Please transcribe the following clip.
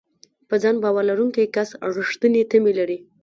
په ځان باور لرونکی کس رېښتینې تمې لري.